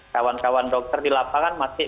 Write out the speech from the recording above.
kawan kawan dokter di lapangan masih